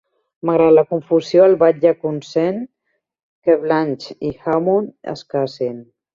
Malgrat la confusió, el batlle consent que Blanche i Hammond es casin.